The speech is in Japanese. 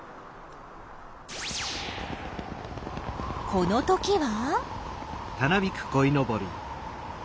このときは？